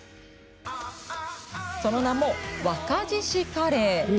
その名も若獅子カレー。